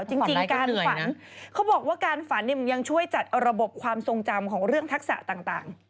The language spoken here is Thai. จริงการฝันเขาบอกว่าการฝันเนี่ยมันยังช่วยจัดเอาระบบความทรงจำของเรื่องทักษะต่าง